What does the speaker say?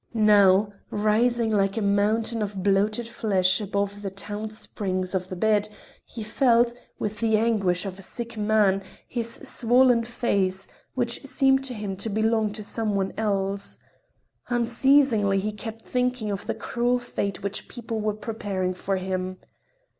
Now, rising like a mountain of bloated flesh above the taut springs of the bed, he felt, with the anguish of a sick man, his swollen face, which seemed to him to belong to some one else. Unceasingly he kept thinking of the cruel fate which people were preparing for him.